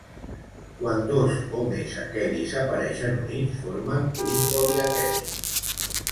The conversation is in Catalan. Quan dos o més aquenis apareixen units formen un poliaqueni.